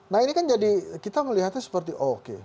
nah ini kan jadi kita melihatnya seperti oke